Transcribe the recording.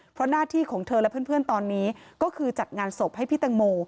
เพราะหน้าที่ของเธอและเพื่อนตอนนี้ก็คือจัดงานศพให้พี่แตงโม